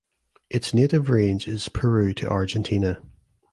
Its native range is Peru to Argentina.